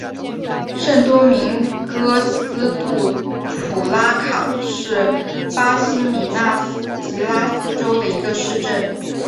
圣多明戈斯杜普拉塔是巴西米纳斯吉拉斯州的一个市镇。